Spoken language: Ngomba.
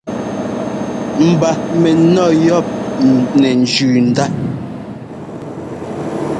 Mba mɛnɔ́ yɔ́p nɛ́jʉ̈n ndá.